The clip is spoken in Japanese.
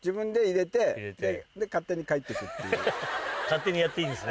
勝手にやっていいんですね。